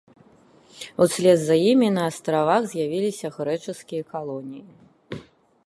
Услед за імі на на астравах з'явіліся грэчаскія калоніі.